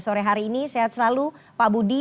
sore hari ini sehat selalu pak budi